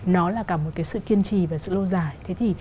nó là cả một cái sự kiên trì và sự lâu dài